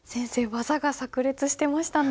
技がさく裂してましたね。